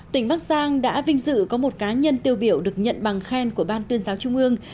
tỉnh bắc giang đã vinh dự có một cá nhân tiêu biểu được nhận bằng khen của ban tuyên giáo trung ương